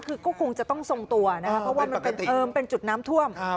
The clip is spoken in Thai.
คือก็คงจะต้องทรงตัวนะครับเพราะว่าเป็นจุดน้ำท่วม